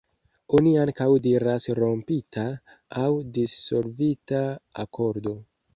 Oni ankaŭ diras "rompita", aŭ "dissolvita" akordo.